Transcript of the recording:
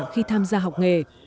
khi tham gia học nghề